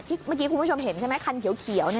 เมื่อกี้คุณผู้ชมเห็นใช่ไหมคันเขียว